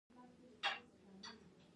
دغو پوځیانو د افریقایانو مقاومت وځاپه.